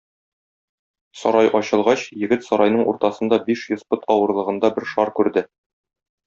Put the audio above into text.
Сарай ачылгач, егет сарайның уртасында биш йөз пот авырлыгында бер шар күрде.